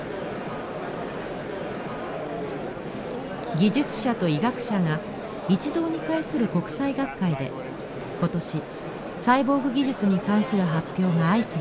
技術者と医学者が一堂に会する国際学会で今年サイボーグ技術に関する発表が相次ぎました。